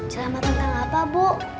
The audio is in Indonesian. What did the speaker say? ceramah tentang apa bu